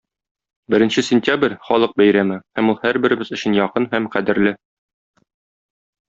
Беренче сентябрь - халык бәйрәме, һәм ул һәрберебез өчен якын һәм кадерле.